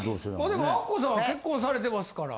でもあっこさんは結婚されてますから。